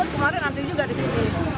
kemarin antri juga di sini